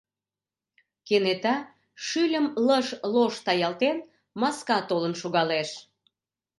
Кенета, шӱльым лыж-лож таялтен, маска толын шогалеш.